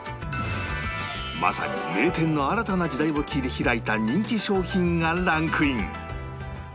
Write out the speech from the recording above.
まさに名店の新たな時代を切り開いた人気商品がランクイン